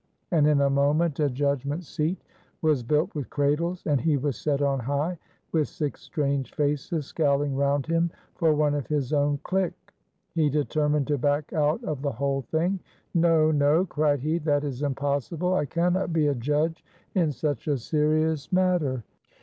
and in a moment a judgment seat was built with cradles, and he was set on high, with six strange faces scowling round him for one of his own clique. He determined to back out of the whole thing. "No, no!" cried he; "that is impossible. I cannot be a judge in such a serious matter."